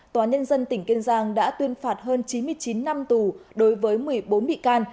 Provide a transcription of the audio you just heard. tòa nhân dân tỉnh kiên giang đã tuyên phạt hơn chín mươi chín năm tù đối với một mươi bốn bị can